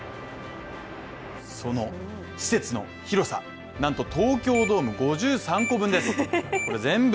その施設の広さなんと東京ドーム５３個分です。